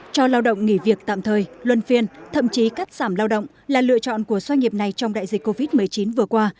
cho lao động nghỉ việc tạm thời luân phiên thậm chí cắt giảm lao động là lựa chọn của xoay nghiệp này trong đại dịch covid một mươi chín vừa qua